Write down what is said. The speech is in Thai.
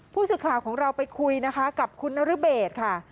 ผู้ศึกภาพของเราไปคุยนะคะกับคุณนรเบชค่ะ